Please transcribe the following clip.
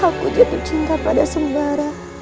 aku jatuh cinta pada sembara